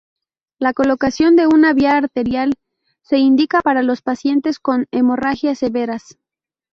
La colocación de una vía arterial se indica para los pacientes con hemorragia severas.